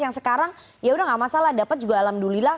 yang sekarang ya udah gak masalah dapat juga alhamdulillah